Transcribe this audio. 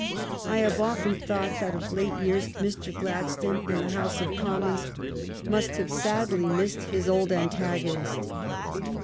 I have often thought that of late years Mr. Gladstone in the House of Commons must have sadly missed his old antagonist.